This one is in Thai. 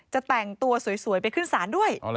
จะแต่งตัวสวยไปขึ้นศาลด้วย